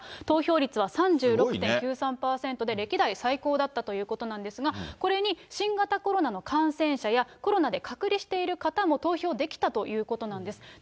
投票率は３６．９３％で、歴代最高だったということなんですが、これに新型コロナの感染者や、コロナで隔離している方も投票できたということなんです。